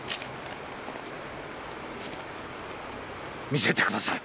見せてください！